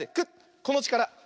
このちから。